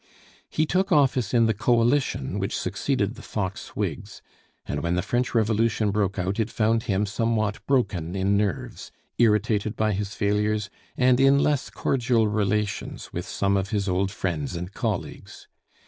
He took office in the coalition which succeeded the Fox Whigs, and when the French Revolution broke out it found him somewhat broken in nerves, irritated by his failures, and in less cordial relations with some of his old friends and colleagues.